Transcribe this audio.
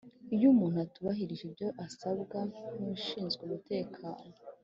Iyo umuntu atubahirije ibyo asabwa n’ ushinzwe umutekano